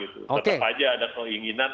tetap aja ada keinginan